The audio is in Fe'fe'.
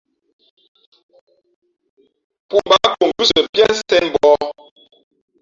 Pōō mbǎ nko ngʉ́siα piā sēn mbǒh.